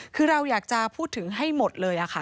คือเราอยากจะพูดถึงให้หมดเลยค่ะ